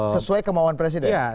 sesuai kemauan presiden